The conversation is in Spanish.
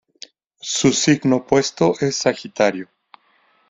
Su signo opuesto es Sagitario.